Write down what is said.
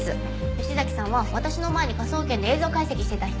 吉崎さんは私の前に科捜研で映像解析してた人。